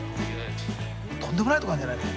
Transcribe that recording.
とんでもないとこなんじゃないの？